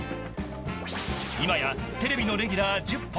今やテレビのレギュラー１０本。